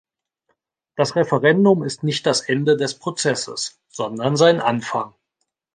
Das Referendum ist nicht das Ende des Prozesses, sondern sein Anfang.